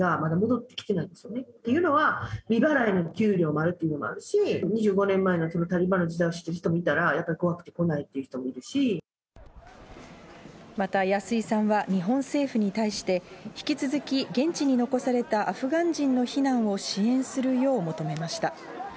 っていうのは、未払いの給料があるというのもあるし、２５年前のタリバンの時代を知ってる人もいたら、また、安井さんは日本政府に対して、引き続き現地に残されたアフガン人の避難を支援するよう求めまし